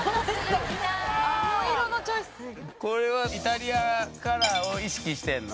これはイタリアンカラーを意識してんの？